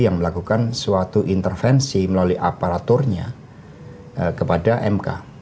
yang melakukan suatu intervensi melalui aparaturnya kepada mk